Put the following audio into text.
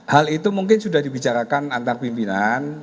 hal itu mungkin sudah dibicarakan antar pimpinan